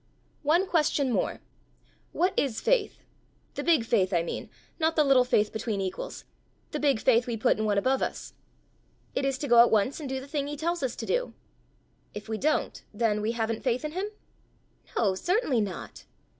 "One question more: what is faith the big faith I mean not the little faith between equals the big faith we put in one above us?" "It is to go at once and do the thing he tells us to do." "If we don't, then we haven't faith in him?" "No; certainly not."